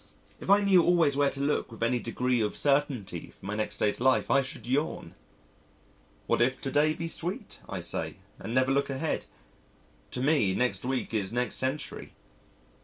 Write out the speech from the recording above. If I knew always where to look with any degree of certainty for my next day's life I should yawn! "What if to day be sweet," I say, and never look ahead. To me, next week is next century.